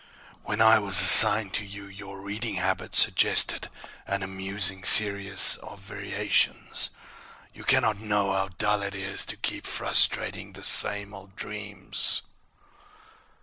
When I was assigned to you, your reading habits suggested an amusing series of variations. You cannot know how dull it is to keep frustrating the same old dreams!"